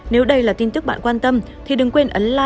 nếu đây là tin tức bạn quan tâm thì đừng quên ấn like và đăng ký kênh